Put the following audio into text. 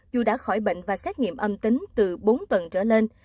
dù đã khỏi bệnh và xét nghiệm âm tính từ bốn tuần trở lên